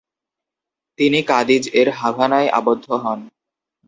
তিনি কাদিজ-এর হাভানায় আবদ্ধ হন।